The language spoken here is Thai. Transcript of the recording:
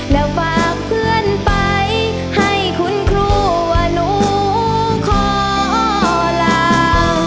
แล้วฝากเพื่อนไปให้คุณครูว่าหนูขอลา